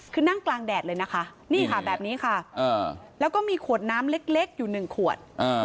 คือนั่งกลางแดดเลยนะคะนี่ค่ะแบบนี้ค่ะแล้วก็มีขวดน้ำเล็กอยู่หนึ่งขวด